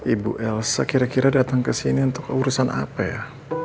ibu elsa kira kira datang ke sini untuk urusan apa ya